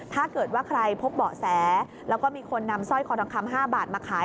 ถ้าเกิดว่าใครพบเบาะแสแล้วก็มีคนนำสร้อยคอทองคำ๕บาทมาขาย